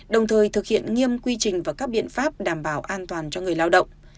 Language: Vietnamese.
đồng thời thực hiện nghiêm quy trình và các biện pháp đảm bảo an toàn cho người lao động